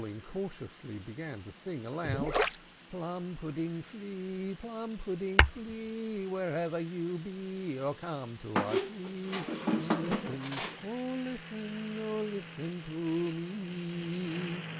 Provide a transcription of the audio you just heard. On which they incautiously began to sing aloud, "Plum pudding Flea, Plum pudding Flea, Wherever you be, Oh! come to our tree, And listen, oh! listen, oh! listen to me!"